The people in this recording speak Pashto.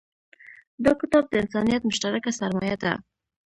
دا کتاب د انسانیت مشترکه سرمایه ده.